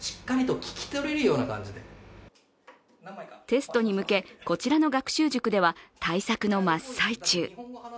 テストに向け、こちらの学習塾では対策の真っ最中。